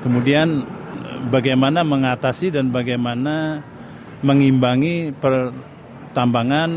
kemudian bagaimana mengatasi dan bagaimana mengimbangi pertambangan